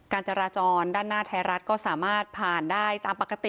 การจราจรด้านหน้าไทยรัฐก็สามารถผ่านได้ตามปกติ